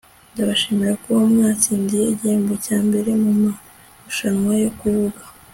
ndabashimira kuba mwatsindiye igihembo cya mbere mumarushanwa yo kuvuga